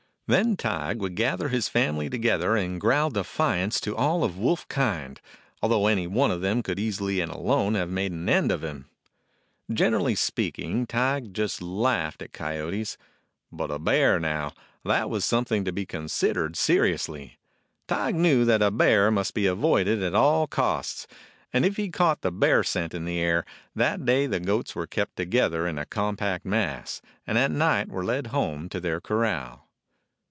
Then Tige would gather his family to gether and growl defiance to all of wolf kind, although any one of them could easily and alone have made an end of him. Generally speaking Tige just laughed at coyotes. But a bear, now — that was some thing to be considered seriously. Tige knew 7 DOG HEROES OF MANY LANDS that a bear must be avoided at all costs, and if he caught the bear scent in the air, that day the goats were kept together in a compact mass, and at night were led home to their corral.